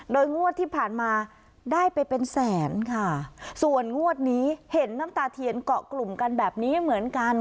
โดยงวดที่ผ่านมาได้ไปเป็นแสนค่ะส่วนงวดนี้เห็นน้ำตาเทียนเกาะกลุ่มกันแบบนี้เหมือนกัน